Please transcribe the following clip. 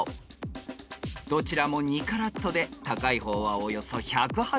［どちらも２カラットで高い方はおよそ１８０万円］